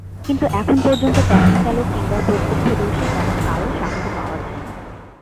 কিন্তু এখন পর্যন্ত ট্যাক্সিচালক কিংবা প্রত্যক্ষদর্শী তেমন কারও সাক্ষ্য পাওয়া যায়নি।